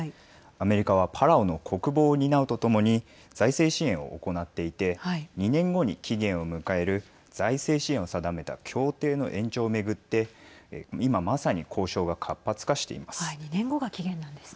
アメリカはパラオの国防を担うとともに財政支援を行っていて２年後に期限を迎える財政支援を定めた協定の延長を巡って今まさに交渉が活発化しています。